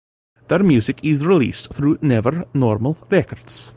Their music is released through Never Normal Records.